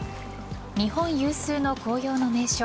日本有数の紅葉の名所